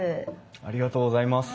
ありがとうございます。